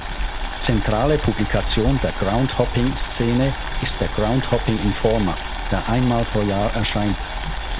Zentrale Publikation der Groundhopping-Szene ist der "Groundhopping-Informer", der einmal pro Jahr erscheint.